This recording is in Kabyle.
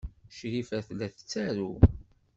Crifa tella tettaru.